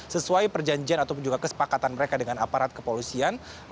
sesuai perjanjian ataupun juga kesepakatan mereka dengan aparat kepolisian